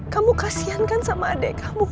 kamu kasihan kan sama adek kamu